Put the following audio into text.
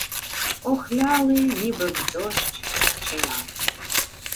Охляли, ніби в дощ щеня!